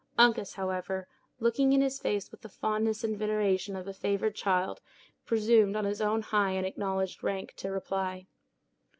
Uncas, however, looking in his face with the fondness and veneration of a favored child, presumed on his own high and acknowledged rank, to reply.